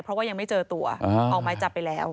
เพราะว่ายังไม่เจอตัวออกไม้จับไปแล้ว